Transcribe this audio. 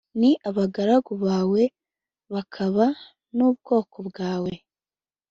Ni abagaragu bawe b bakaba n ubwoko bwawe